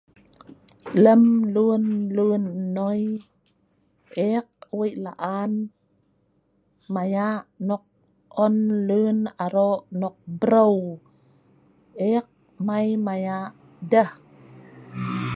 lem lun lun noi eek wei' laan maya' nok on lun aro' nok breu, eek mai maya' deh